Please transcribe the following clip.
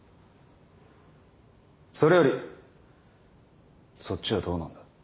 それよりそっちはどうなんだ？